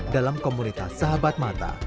dalam komunitas sahabat mata